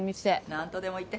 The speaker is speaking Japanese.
何とでも言って。